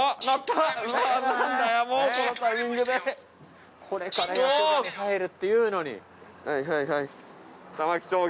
はいはいはい。